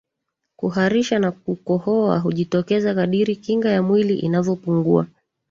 kuharisha na kukohoa hujitokeza kadiri kinga ya mwili inavyopungua